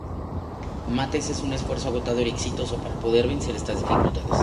Mates es un esfuerzo agotador y exitoso para poder vencer estas dificultades.